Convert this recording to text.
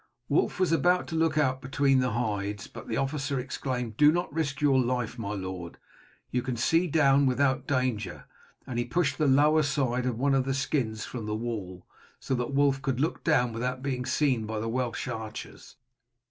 Wulf was about to look out between the hides, but the officer exclaimed, "Do not so risk your life, my lord; you can see down without danger;" and he pushed out the lower side of one of the skins from the wall, so that Wulf could look down without being seen by the Welsh archers.